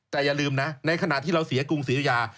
แต่อย่าลืมนะในขณะที่เราเสียกรุงศรียุยา